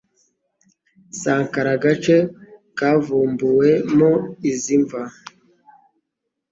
Saqqara agace kavumbuwemo izi mva,